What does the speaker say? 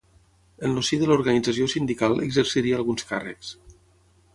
En el si de l'Organització Sindical exerciria alguns càrrecs.